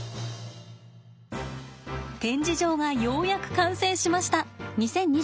展示場がようやく完成しました。